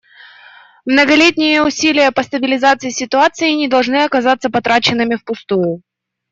Многолетние усилия по стабилизации ситуации не должны оказаться потраченными впустую.